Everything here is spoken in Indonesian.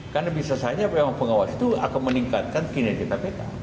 karena bisa saja memang pengawas itu akan meningkatkan kinerja kpk